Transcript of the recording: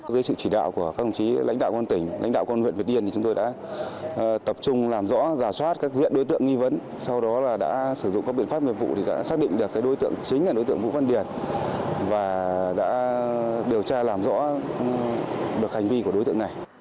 dưới sự chỉ đạo của các công chí lãnh đạo con tỉnh lãnh đạo con huyện việt yên chúng tôi đã tập trung làm rõ giả soát các diện đối tượng nghi vấn sau đó đã sử dụng các biện pháp mệnh vụ đã xác định được đối tượng chính là đối tượng vũ văn điệt và đã điều tra làm rõ được hành vi của đối tượng này